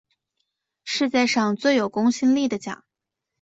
世界上最有公信力的奖